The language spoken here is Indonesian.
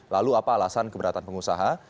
lalu apa alasan keberatan pengusaha